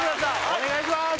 お願いします！